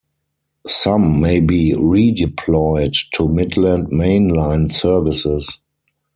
Some may be redeployed to Midland Main Line services.